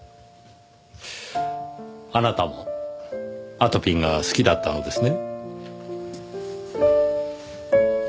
あなたもあとぴんが好きだったのですね。